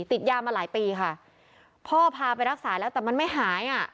ติดยามาหลายปีค่ะพ่อพาไปรักษาแล้วแต่มันไม่หายอ่ะ